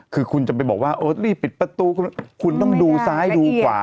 คือคุณจะไปบอกว่าโอ๊ยรีบ